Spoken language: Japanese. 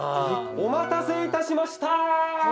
お待たせいたしました。